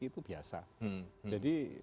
itu biasa jadi